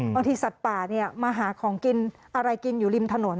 สัตว์ป่ามาหาของกินอะไรกินอยู่ริมถนน